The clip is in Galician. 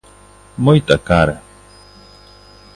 ¡Moita cara!